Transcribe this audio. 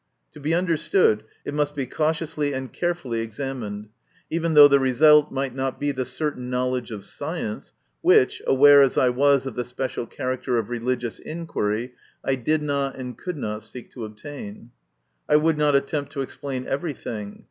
To be understood, it must be cautiously and carefully MY CONFESSION. 143 examined, even though the result might not be the certain knowledge of science, which, aware as I was of the special character of religious inquiry, I did not and could not seek to obtain. I would not attempt to explain everything.